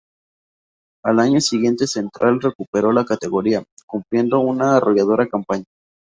Al año siguiente Central recuperó la categoría, cumpliendo una arrolladora campaña.